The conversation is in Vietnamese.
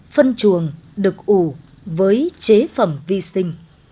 phân chuồng được ủ với chế phẩm vi sinh